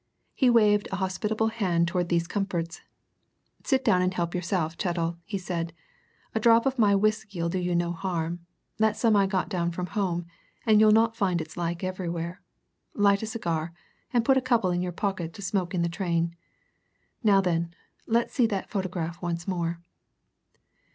He waved a hospitable hand towards these comforts. "Sit down and help yourself, Chettle," he said. "A drop of my whisky'll do you no harm that's some I got down from home, and you'll not find its like everywhere. Light a cigar and put a couple in your pocket to smoke in the train. Now then, let's see that photograph once more."